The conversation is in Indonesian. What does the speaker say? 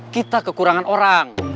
kita kekurangan orang